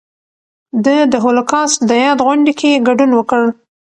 ده د هولوکاسټ د یاد غونډې کې ګډون وکړ.